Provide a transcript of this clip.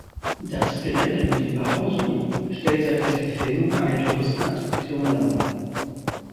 Das Gelände mit den Behausungen stellt seit der Verfilmung eine Touristenattraktion dar.